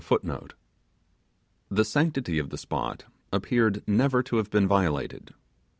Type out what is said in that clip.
The sanctity of the spot appeared never to have been violated.